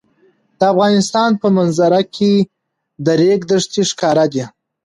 د افغانستان په منظره کې د ریګ دښتې ښکاره ده.